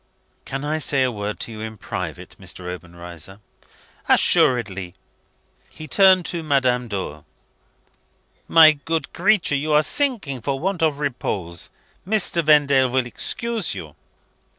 "Can I say a word to you in private, Mr. Obenreizer?" "Assuredly." He turned to Madame Dor. "My good creature, you are sinking for want of repose. Mr. Vendale will excuse you."